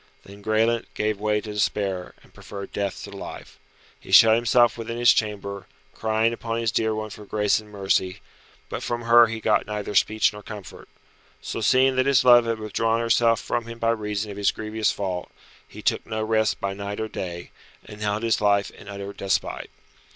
Then Graelent gave way to despair, and preferred death to life. He shut himself within his chamber, crying upon his dear one for grace and mercy, but from her he got neither speech nor comfort. So seeing that his love had withdrawn herself from him by reason of his grievous fault, he took no rest by night or day, and held his life in utter despite.